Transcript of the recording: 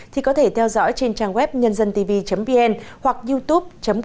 thì có thể theo dõi trên trang web nhândântv vn hoặc youtube com vn